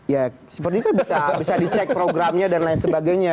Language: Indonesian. ya seperti itu bisa dicek programnya dan lain sebagainya